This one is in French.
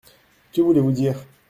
Que voulez-vous dire ?